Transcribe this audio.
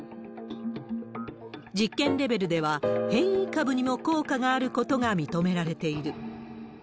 実験レベルでは、変異株にも効果があることが認められている。